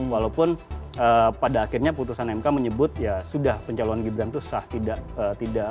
walaupun pada akhirnya putusan mk menyebut ya sudah pencalonan gibran itu sah tidak